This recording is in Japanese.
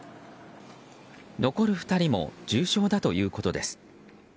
残る２人も重傷だということです。